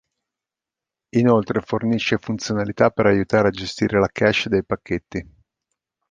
Inoltre, fornisce funzionalità per aiutare a gestire la cache dei pacchetti.